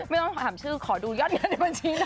ไม่ต้องถามชื่อขอดูยอดเงินในบัญชีหน่อย